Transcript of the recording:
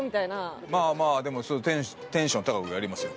でもテンション高くやりますよ。